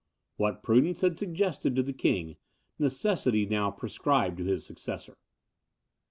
What prudence had suggested to the king, necessity now prescribed to his successor.